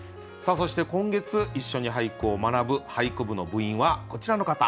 そして今月一緒に俳句を学ぶ俳句部の部員はこちらの方。